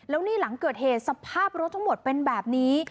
แล้วนี่หลังเกิดเหตุสภาพรถทั้งหมดเป็นแบบนี้